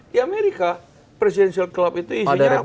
di amerika presidential club itu isinya